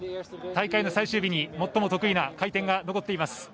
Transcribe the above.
大会の最終日に最も得意な回転が残っています。